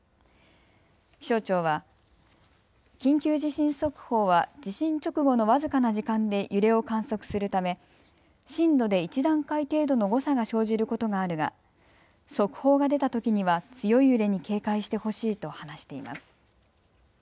気象庁は、緊急地震速報は地震直後の僅かな時間で揺れを観測するため震度で１段階程度の誤差が生じることがあるが速報が出たときには強い揺れに警戒してほしいと話しています。